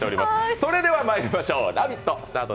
それではまいりましょう、「ラヴィット！」